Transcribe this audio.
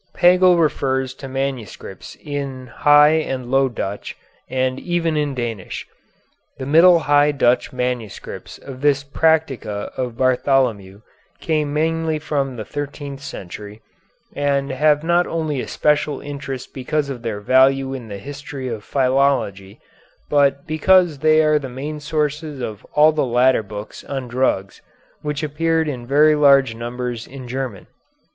Pagel refers to manuscripts in High and Low Dutch, and even in Danish. The Middle High Dutch manuscripts of this "Practica" of Bartholomew come mainly from the thirteenth century, and have not only a special interest because of their value in the history of philology, but because they are the main sources of all the later books on drugs which appeared in very large numbers in German.